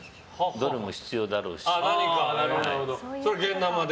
ドルも必要だろうし。